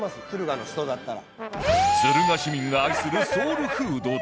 敦賀市民が愛するソウルフードとは？